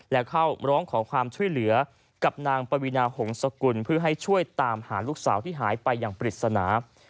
และเข้าร้องขอความช่วยเหลือกับนางปวีนาหงษกุลเพื่อให้ช่วยตามหาลูกสาวที่หายไปอย่างปริศนา